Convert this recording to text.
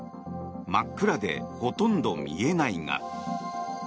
真っ暗でほとんど見えないが。